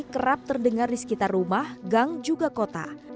kerap terdengar di sekitar rumah gang juga kota